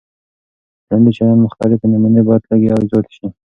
د ټولنیز چلند مختلفې نمونې باید لږې او زیاتې سي.